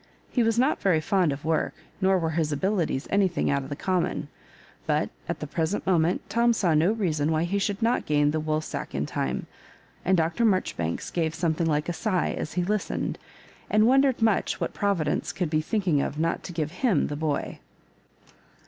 He was not very fond of work, nor were his abilities anything out of the common ; but at the present moment Tom saw no reason why he should not gain the Wool sack in time ; and Dr. Marjoribanks gave some thing like a sigh as he listened, and wondered much what Providence could be thinking of not to give him the boy.